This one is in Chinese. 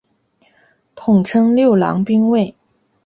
通称六郎兵卫。